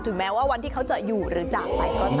แม้ว่าวันที่เขาจะอยู่หรือจากไปก็ตาม